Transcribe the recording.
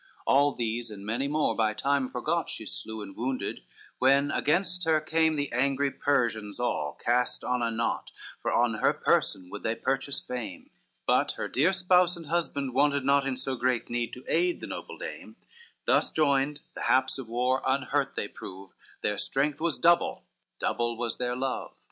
XXXV All these, and many mo, by time forgot, She slew and wounded, when against her came The angry Persians all, cast on a knot, For on her person would they purchase fame: But her dear spouse and husband wanted not In so great need, to aid the noble dame; Thus joined, the haps of war unhurt they prove, Their strength was double, double was their love.